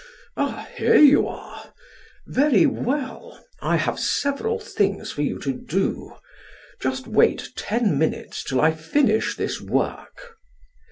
"Ah, here you are! Very well; I have several things for you to do. Just wait ten minutes till I finish this work."